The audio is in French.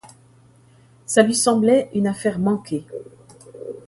Ça lui semblait une affaire manquée.